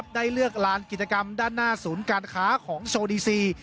ได้เลือกลานกิจกรรมด้านหน้าศูนย์การค้าของโซดีซี